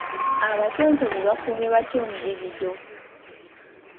Abatontomi bakuumye batya omudigido?